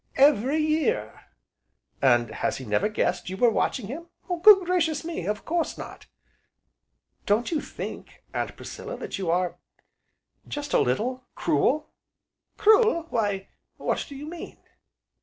"Every year!" "And he has never guessed you were watching him?" "Good gracious me! of course not." "Don't you think, Aunt Priscilla, that you are just a little cruel?" "Cruel why what do you mean?"